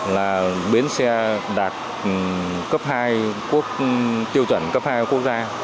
là bến xe đạt tiêu chuẩn cấp hai của quốc gia